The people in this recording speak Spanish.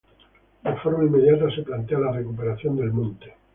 De forma inmediata se plantea la recuperación del monte.